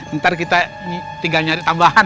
nanti kita tinggal nyari tambahan